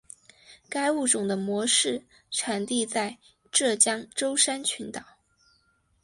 该物种的模式产地在浙江舟山群岛。